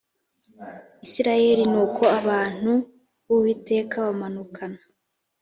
Isirayeli Nuko abantu b Uwiteka bamanukana